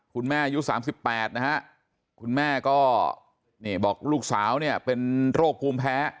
คุณแม่อายุสามสิบแปดนะฮะคุณแม่ก็นี่บอกลูกสาวเนี้ยเป็นโรคกลุ่มแพ้